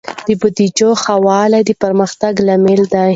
د بودیجې ښه والی د پرمختګ لامل دی.